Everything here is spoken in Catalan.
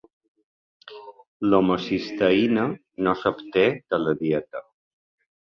L'homocisteïna no s'obté de la dieta.